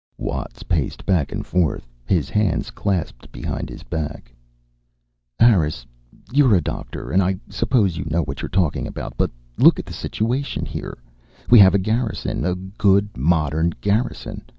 Watts paced back and forth, his hands clasped behind his back. "Harris, you're a doctor, and I suppose you know what you're talking about. But look at the situation here. We have a garrison, a good modern garrison.